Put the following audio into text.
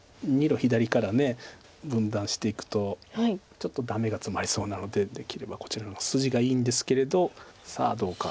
２路左から分断していくとちょっとダメがツマりそうなのでできればこちらの筋がいいんですけれどさあどうか。